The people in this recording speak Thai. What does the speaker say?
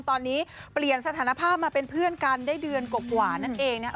ตอนนี้เปลี่ยนสถานภาพมาเป็นเพื่อนกันได้เดือนกว่านั่นเองนะ